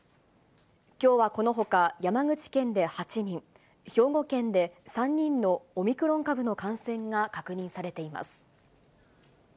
きょうはこのほか、山口県で８人、兵庫県で３人のオミクロン株の感染が確認されています。